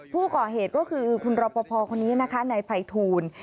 ผู้ก่อเหตุก็คือคุณรอปภคนนี้นะคะนายภัยทูล